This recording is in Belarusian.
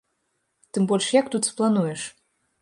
Тым больш, як тут сплануеш?